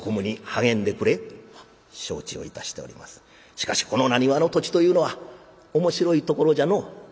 「しかしこのなにわの土地というのは面白いところじゃのう」。